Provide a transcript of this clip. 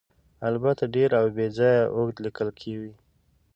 البته ډېر او بې ځایه اوږده لیکل کوي.